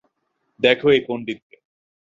দেখো এই পন্ডিতকে।